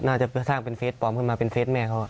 น่าจะสร้างเป็นเฟสปลอมขึ้นมาเป็นเฟสแม่เขา